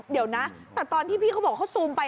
เดี๋ยวนะแต่ตอนที่พี่เขาบอกเขาซูมไป